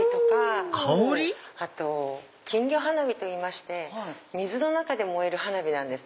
あと金魚花火といいまして水の中で燃える花火なんです。